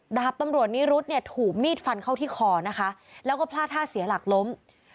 ดาบตำรวจนิรุธเนี่ยถูกมีดฟันเข้าที่คอนะคะแล้วก็พลาดท่าเสียหลักล้ม